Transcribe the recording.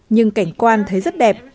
nhưng cảnh quan thấy rất đẹp